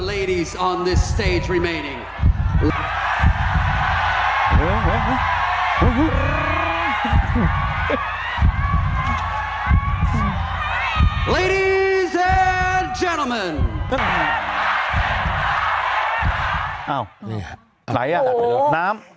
อ้าวอะไรอ่ะน้ำ